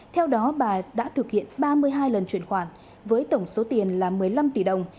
theo đó bà đã thực hiện ba mươi hai lần chuyển khoản với tổng số tiền là một mươi năm tỷ đồng